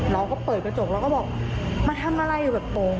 เราก็เปิดกระจกเราก็บอกมาทำอะไรอยู่แบบโป่ง